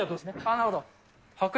なるほど。